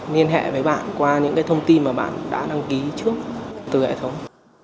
liên hệ với bạn qua những cái thông tin mà bạn đã đăng ký trước từ hệ thống